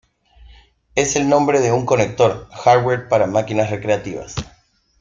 Es el nombre de un conector hardware para máquinas recreativas.